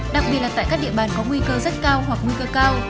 đặc biệt là tại các địa bàn có nguy cơ rất cao hoặc nguy cơ cao